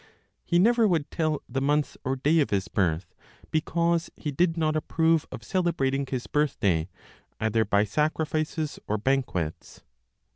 He never would tell the month or day of his birth, because he did not approve of celebrating his birth day either by sacrifices, or banquets.